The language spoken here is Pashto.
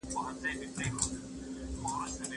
ذمي ته په اسلامي خاوره کي ټول حقوق ورکول کېږي.